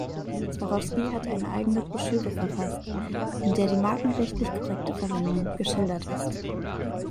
Swarovski hat eine eigene Broschüre verfasst, in der die markenrechtlich korrekte Verwendung geschildert ist.